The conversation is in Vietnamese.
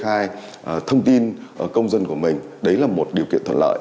chúng ta không thể kê khai thông tin công dân của mình đấy là một điều kiện thuận lợi